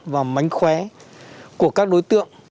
và mánh khóe của các đối tượng